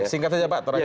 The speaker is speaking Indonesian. singkat saja pak